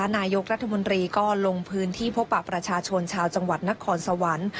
นายกรัฐมนตรีก็ลงพื้นที่พบปะประชาชนชาวจังหวัดนครสวรรค์